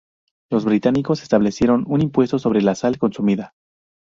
Los británicos establecieron un impuesto sobre la sal consumida.